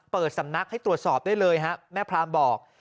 เปิดสำนักให้ตรวจสอบได้เลยฮะแม่พรามบอก